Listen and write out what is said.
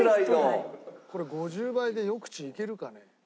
「これ５０倍で４口いけるかね」